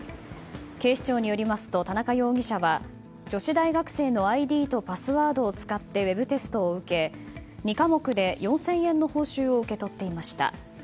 警視庁によりますと田中容疑者は女子大学生のＩＤとパスワードを使ってウェブテストを受け２科目で４０００円の報酬を受け取っていました。